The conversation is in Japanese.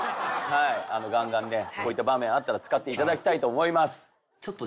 はいガンガンねこういった場面あったら使っていただきたいと思います。